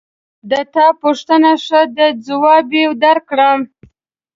د تا پوښتنه ښه ده ځواب یې درکوم